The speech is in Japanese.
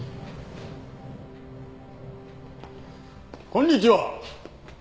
こんにちは。